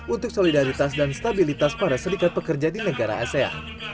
untuk solidaritas dan stabilitas para serikat pekerja di negara asean